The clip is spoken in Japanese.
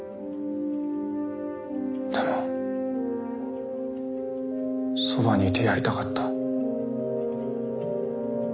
でもそばにいてやりたかった。